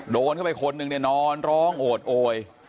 โดนเข้าไปคนหนึ่งเนี่ยนอนร้องโอดโอย